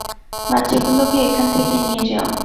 বাচ্চাগুলোকে এখান থেকে নিয়ে যাও।